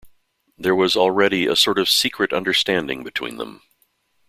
There was already a sort of secret understanding between them.